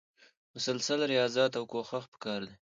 مسلسل ریاضت او کوښښ پکار دی.